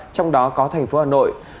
trong đó có thành phố hà nội